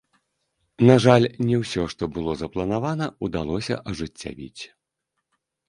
На жаль, не ўсё, што было запланавана, удалося ажыццявіць.